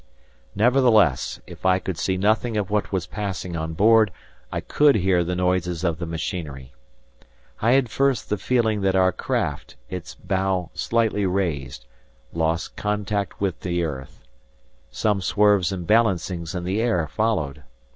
Nevertheless, if I could see nothing of what was passing on board, I could hear the noises of the machinery. I had first the feeling that our craft, its bow slightly raised, lost contact with the earth. Some swerves and balancings in the air followed.